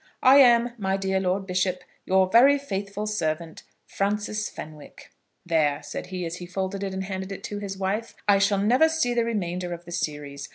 I am, my dear Lord Bishop, Your very faithful servant, FRANCIS FENWICK. "There," said he, as he folded it, and handed it to his wife, "I shall never see the remainder of the series.